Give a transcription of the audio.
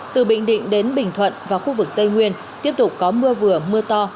từ bình định đến bình thuận và khu vực tây nguyên tiếp tục có mưa vừa mưa to